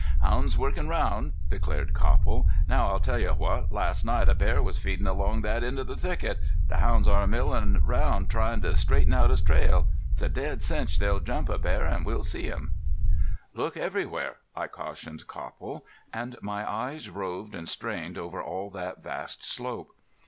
"Hounds workin' round," declared Copple. "Now I'll tell you what. Last night a bear was feedin' along that end of the thicket. The hounds are millin' round tryin' to straighten out his trail.... It's a dead cinch they'll jump a bear an' we'll see him." "Look everywhere!" I cautioned Copple, and my eyes roved and strained over all that vast slope.